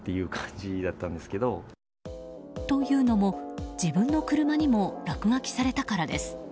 というのも、自分の車にも落書きされたからです。